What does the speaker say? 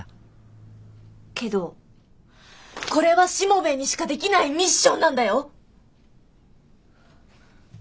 けどこれはしもべえにしかできないミッションなんだよ。